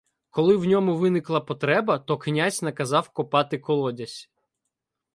Коли в ньому виникла потреба, то князь наказав копати колодязь.